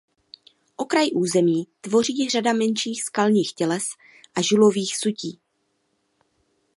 Okraj území tvoří řada menších skalních těles a žulových sutí.